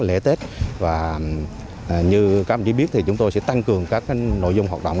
để tết và như các bạn chỉ biết thì chúng tôi sẽ tăng cường các nội dung hoạt động